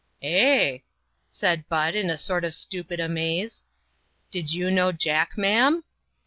"Eh!" said Bud, in a sort of stupid amaze. "Did you know Jack, ma'am?"